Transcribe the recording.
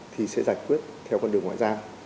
thì sẽ giải quyết theo cái quy định đó